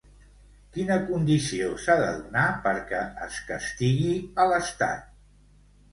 Quina condició s'ha de donar perquè es castigui a l'estat?